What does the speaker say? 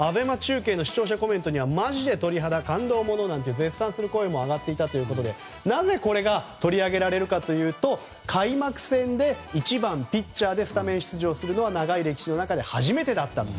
ＡＢＥＭＡ中継の視聴者コメントにはマジで鳥肌、感動ものなんて絶賛する声も上がっていたということでなぜこれが取り上げられるかというと開幕戦で１番ピッチャーでスタメン出場するのは長い歴史の中で初めてだった。